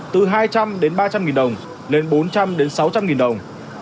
nên bốn trăm linh ba trăm linh nghìn đồng lên bốn trăm linh sáu trăm linh nghìn đồng